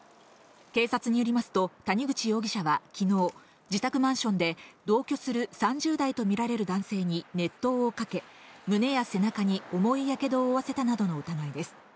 警察によりますと、谷口容疑者はきのう、自宅マンションで同居する３０代と見られる男性に熱湯をかけ、胸や背中に重いやけどを負わせたなどの疑いです。